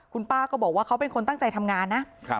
คุณป้าก็บอกว่าเขาเป็นคนตั้งใจทำงานนะ